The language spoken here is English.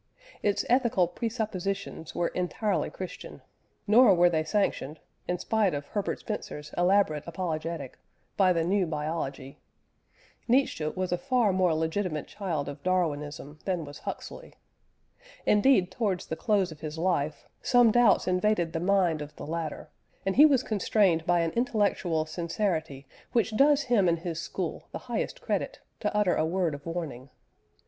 Its ethical presuppositions were entirely Christian, nor were they sanctioned (in spite of Herbert Spencer's elaborate apologetic) by the new biology. Nietzsche was a far more legitimate child of Darwinism than was Huxley. Indeed, towards the close of his life, some doubts invaded the mind of the latter, and he was constrained by an intellectual sincerity which does him and his school the highest credit, to utter a word of warning.